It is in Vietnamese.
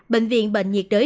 bệnh viện bệnh nhiệt đới